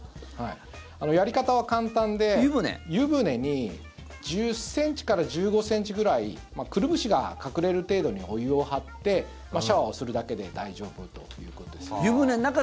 やり方は簡単で湯船に１０ｃｍから１５ｃｍぐらいくるぶしが隠れる程度にお湯を張ってシャワーをするだけで大丈夫ということです。